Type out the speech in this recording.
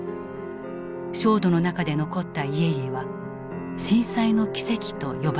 焦土の中で残った家々は「震災の奇跡」と呼ばれた。